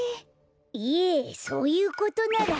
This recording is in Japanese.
いえそういうことなら。